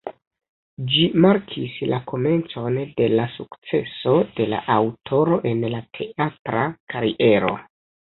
Ĝi markis la komencon de la sukceso de la aŭtoro en la teatra kariero.